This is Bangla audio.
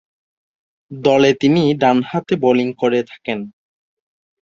দলে তিনি ডানহাতে বোলিং করে থাকেন।